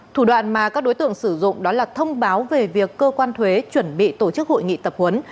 thủ đoạn mà các đối tượng sử dụng đó là thông báo về việc cơ quan thuế chuẩn bị tổ chức hội nghị tập huấn